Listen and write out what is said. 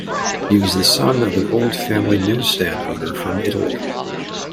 He was the son of an old family newsstand owner from Italy.